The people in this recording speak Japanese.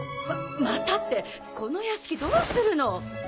またってこの屋敷どうするの？